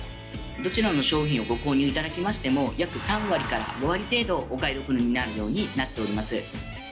どちらの商品をご購入いただきましても、約３割から５割程度、お買い得になるようになっております。